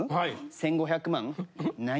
１５００万？